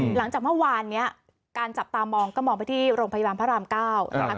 หลังจากเมื่อวานนี้การจับตามองก็มองไปที่โรงพยาบาลพระราม๙นะคะ